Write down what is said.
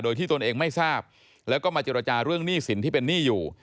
โดยที่ตนเองไม่ทราบแล้วก็มาเจรจาเรื่องหนี้สินที่เป็นหนี้อยู่